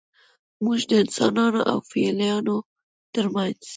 موږ د انسانانو او فیلانو ترمنځ